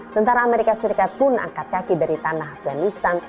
tentara amerika serikat pun angkat kaki dari tanah afganistan